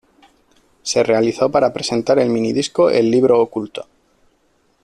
Se realizó para presentar el mini disco El libro oculto.